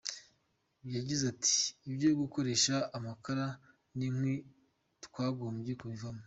Yagize ati “ ibyo gukoresha amakara n’inkwi twagombye kubivaho.